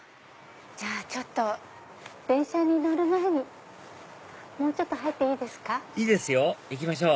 じゃあ電車に乗る前にもうちょっと入っていいですか？